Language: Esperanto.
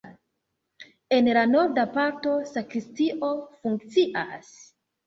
En la norda parto sakristio funkcias.